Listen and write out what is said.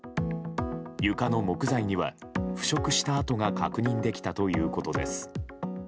床の木材には腐食した跡が確認できたということです。